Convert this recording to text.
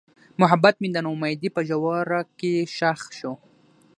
محبت مې د نا امیدۍ په ژوره کې ښخ شو.